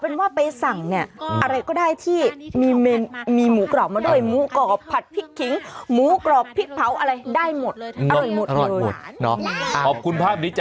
น่าจะชอบนะ